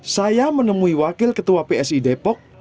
saya menemui wakil ketua psi depok